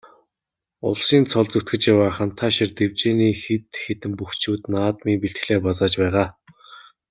Улсын цолд зүтгэж яваа Хантайшир дэвжээний хэд хэдэн бөхчүүд наадмын бэлтгэлээ базааж байгаа.